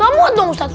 gak muat dong ustad